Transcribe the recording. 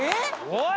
おい！